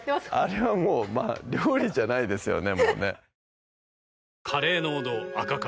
あれはもう料理じゃないですよね